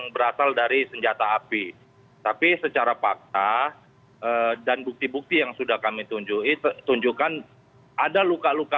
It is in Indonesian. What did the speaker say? berasal dari senjata api tapi secara fakta dan bukti bukti yang sudah kami tunjukin tunjukkan ada luka luka